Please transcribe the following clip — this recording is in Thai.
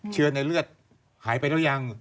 เชื้อในเลือดหายไปหรือยัง